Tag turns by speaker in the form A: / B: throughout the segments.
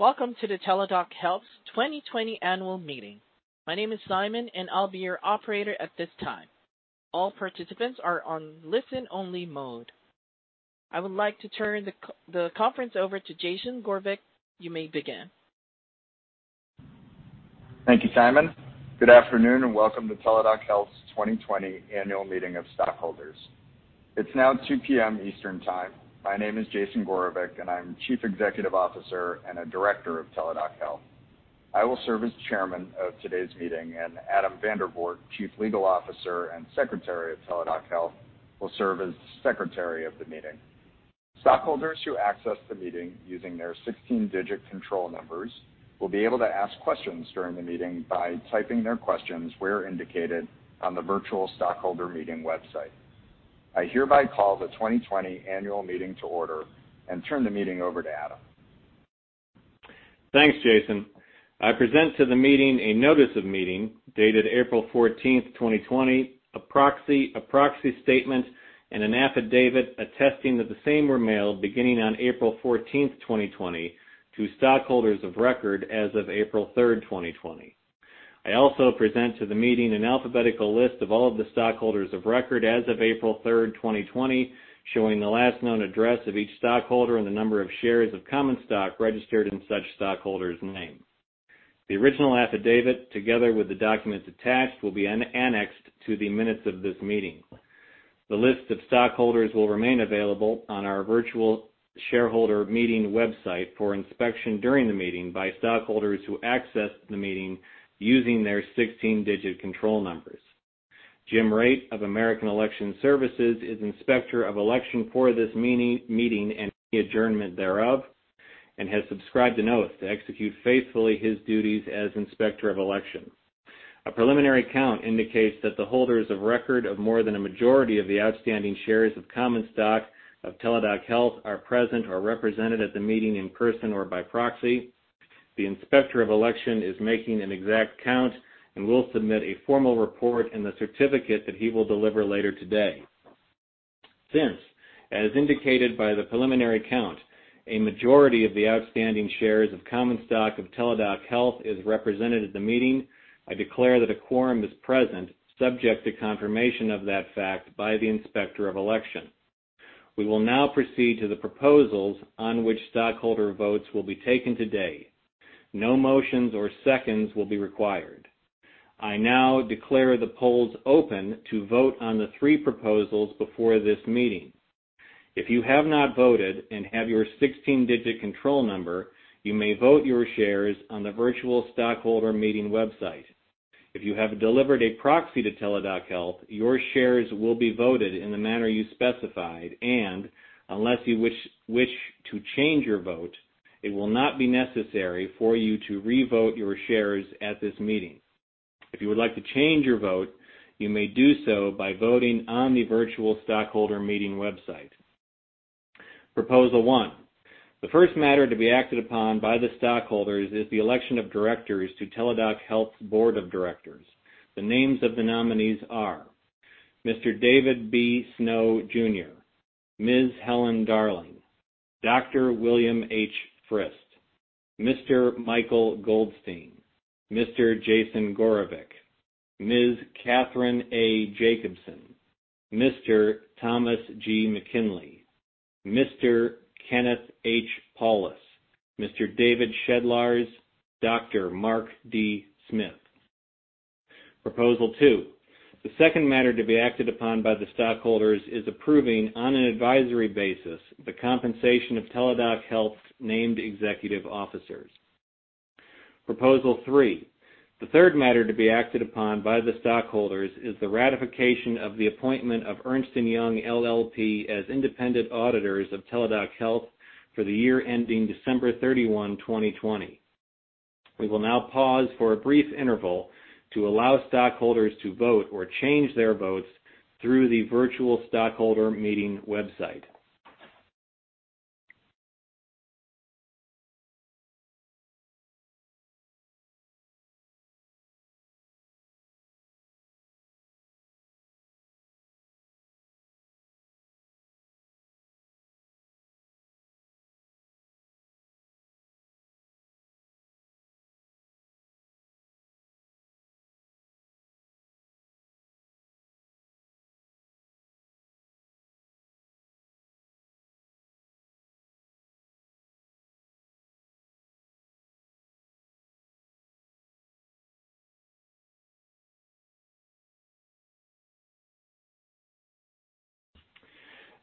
A: Welcome to the Teladoc Health 2020 Annual Meeting. My name is Simon, and I'll be your operator at this time. All participants are on listen-only mode. I would like to turn the conference over to Jason Gorevic. You may begin.
B: Thank you, Simon. Good afternoon, and welcome to Teladoc Health's 2020 annual meeting of stockholders. It's now 2:00 P.M. Eastern Time. My name is Jason Gorevic, and I'm Chief Executive Officer and a Director of Teladoc Health. I will serve as Chairman of today's meeting, and Adam Vandervoort, Chief Legal Officer and Secretary of Teladoc Health, will serve as Secretary of the meeting. Stockholders who access the meeting using their 16-digit control numbers will be able to ask questions during the meeting by typing their questions where indicated on the virtual stockholder meeting website. I hereby call the 2020 annual meeting to order and turn the meeting over to Adam.
C: Thanks, Jason. I present to the meeting a notice of meeting dated April 14th, 2020, a proxy statement, and an affidavit attesting that the same were mailed beginning on April 14th, 2020, to stockholders of record as of April 3rd, 2020. I also present to the meeting an alphabetical list of all of the stockholders of record as of April 3rd, 2020, showing the last known address of each stockholder and the number of shares of common stock registered in such stockholder's name. The original affidavit, together with the documents attached, will be annexed to the minutes of this meeting. The list of stockholders will remain available on our virtual shareholder meeting website for inspection during the meeting by stockholders who access the meeting using their 16-digit control numbers. Jim Raitt of American Election Services is Inspector of Election for this meeting and any adjournment thereof and has subscribed an oath to execute faithfully his duties as Inspector of Election. A preliminary count indicates that the holders of record of more than a majority of the outstanding shares of common stock of Teladoc Health are present or represented at the meeting in person or by proxy. The Inspector of Election is making an exact count and will submit a formal report in the certificate that he will deliver later today. Since, as indicated by the preliminary count, a majority of the outstanding shares of common stock of Teladoc Health is represented at the meeting, I declare that a quorum is present subject to confirmation of that fact by the Inspector of Election. We will now proceed to the proposals on which stockholder votes will be taken today. No motions or seconds will be required. I now declare the polls open to vote on the three proposals before this meeting. If you have not voted and have your 16-digit control number, you may vote your shares on the virtual stockholder meeting website. If you have delivered a proxy to Teladoc Health, your shares will be voted in the manner you specified, and unless you wish to change your vote, it will not be necessary for you to revote your shares at this meeting. If you would like to change your vote, you may do so by voting on the virtual stockholder meeting website. Proposal one, the first matter to be acted upon by the stockholders is the election of directors to Teladoc Health's Board of Directors. The names of the nominees are Mr. David B. Snow Jr., Ms. Helen Darling, Dr. William H. Frist, Mr. Michael Goldstein, Mr. Jason Gorevic, Ms. Catherine A. Jacobson, Mr. Thomas G. McKinley, Mr. Kenneth H. Paulus, Mr. David Shedlarz, Dr. Mark D. Smith. Proposal two, the second matter to be acted upon by the stockholders is approving, on an advisory basis, the compensation of Teladoc Health's named executive officers. Proposal three, the third matter to be acted upon by the stockholders is the ratification of the appointment of Ernst & Young LLP as independent auditors of Teladoc Health for the year ending December 31, 2020. We will now pause for a brief interval to allow stockholders to vote or change their votes through the virtual stockholder meeting website.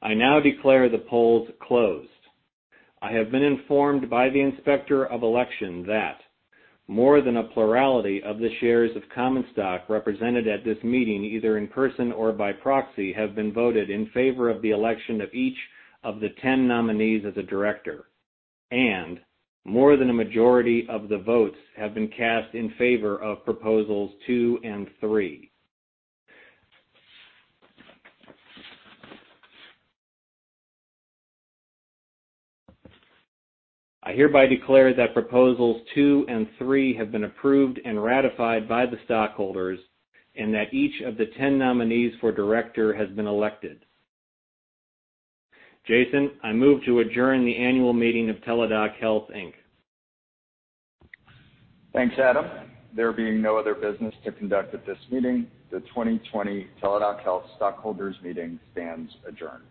C: I now declare the polls closed. I have been informed by the Inspector of Election that more than a plurality of the shares of common stock represented at this meeting, either in person or by proxy, have been voted in favor of the election of each of the 10 nominees as a director, and more than a majority of the votes have been cast in favor of proposals two and three. I hereby declare that proposals two and three have been approved and ratified by the stockholders and that each of the 10 nominees for director has been elected. Jason, I move to adjourn the annual meeting of Teladoc Health Inc.
B: Thanks, Adam. There being no other business to conduct at this meeting, the 2020 Teladoc Health stockholders meeting stands adjourned.